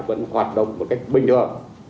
vẫn hoạt động một cách bình thường